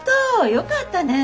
よかったね。